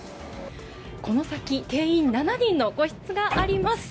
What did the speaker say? この先定員７人の個室があります！